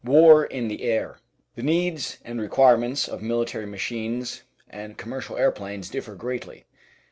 War in the Air The needs and requirements of military machines and com mercial aeroplanes differ greatly.